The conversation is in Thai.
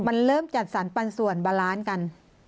มันเริ่มจัดสรรปันส่วนบาลานซ์กัน